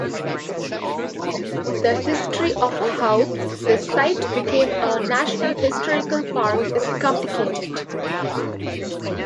The history of how the site became a National Historical Park is complicated.